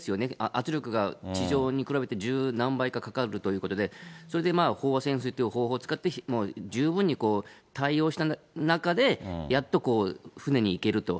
圧力が地上に比べて十何倍かかかるということで、それで飽和潜水という方法を使って、十分に対応した中で、やっと船に行けると。